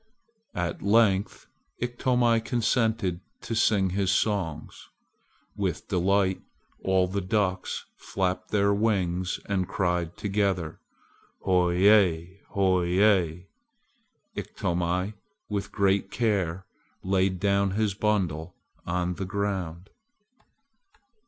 At length Iktomi consented to sing his songs. With delight all the ducks flapped their wings and cried together, "Hoye! hoye!" Iktomi, with great care, laid down his bundle on the ground.